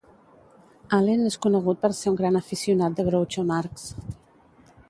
Allen és conegut per ser un gran aficionat de Groucho Marx.